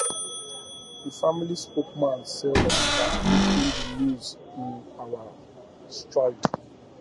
The family spokesman said they had taken the news "in our stride".